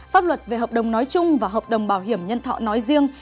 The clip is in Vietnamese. pháp luật về hợp đồng nói chung và hợp đồng bảo hiểm nhân thọ nói riêng